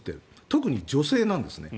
特に女性なんですね。